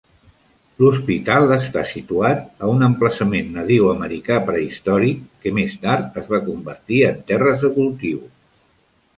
L"hospital està situat a un emplaçament nadiu americà prehistòric que més tard es va convertir en terres de cultiu.